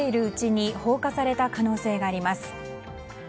生きているうちに放火された可能性があります。